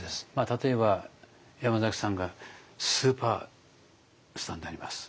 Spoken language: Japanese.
例えば山崎さんがスーパースターになります。